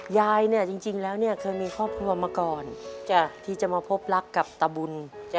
ยายเนี่ยจริงแล้วเนี่ยเคยมีครอบครัวมาก่อนที่จะมาพบรักกับตะบุญ